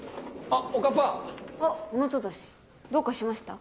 あっ小野忠どうかしました？